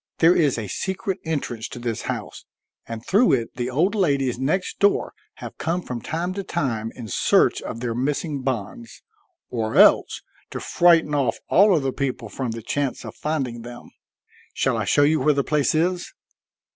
There is a secret entrance to this house, and through it the old ladies next door, have come from time to time in search of their missing bonds, or else to frighten off all other people from the chance of finding them. Shall I show you where the place is?"